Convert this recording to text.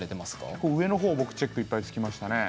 結構上の方僕チェックいっぱいつきましたね。